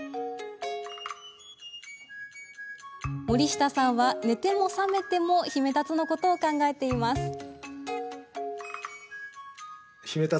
森下さんは寝ても覚めてもヒメタツのことを考えています。